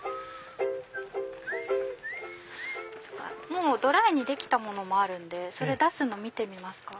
もうドライにできたものもあるんでそれ出すの見てみますか？